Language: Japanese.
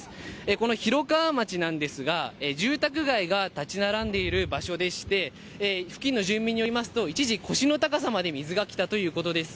この広川町なんですが、住宅街が建ち並んでいる場所でして、付近の住民によりますと、一時、腰の高さまで水が来たということです。